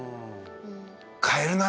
変えるな。